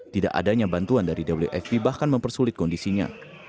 tidak adanya bantuan dari wfp bahkan mempersulit kondisinya